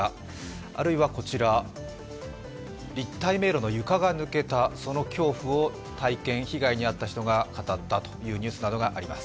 あるいはこちら、立体迷路の床が抜けた、その恐怖を体験、被害に遭った人が語ったというニュースなどがあります。